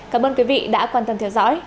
cảm ơn quý vị đã quan tâm theo dõi